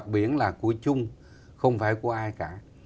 mặt nước biển là của chung không phải của ai cả